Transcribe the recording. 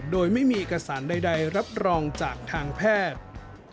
โดยไม่มีเอกสารใดรับรองจากทางแพทย์